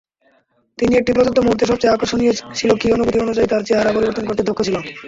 তিনি একটি প্রদত্ত মুহূর্তে সবচেয়ে আকর্ষণীয় ছিল কি অনুভূতি অনুযায়ী তার চেহারা পরিবর্তন করতে দক্ষ ছিল।